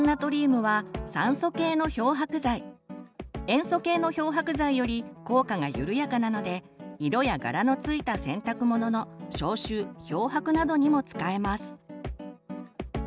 塩素系の漂白剤より効果が緩やかなので色や柄のついた洗濯物の消臭漂白などにも使えます。